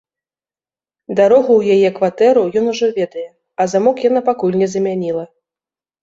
Дарогу ў яе кватэру ён ужо ведае, а замок яна пакуль не замяніла.